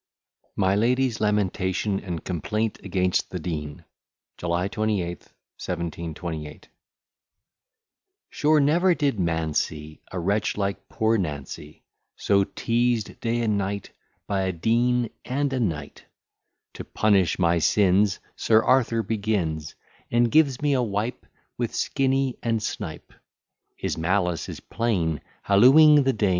MY LADY'S LAMENTATION AND COMPLAINT AGAINST THE DEAN JULY 28, 1728 Sure never did man see A wretch like poor Nancy, So teazed day and night By a Dean and a Knight. To punish my sins, Sir Arthur begins, And gives me a wipe, With Skinny and Snipe:, His malice is plain, Hallooing the Dean.